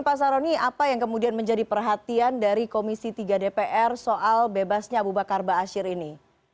pak saharoni apa yang kemudian menjadi perhatian dari komisi tiga dpr soal bebasnya abu bakar basir ini